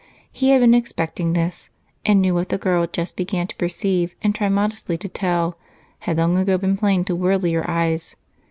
He had been expecting this and knew that what the girl just began to perceive and try modestly to tell had long ago been plain to worldlier eyes.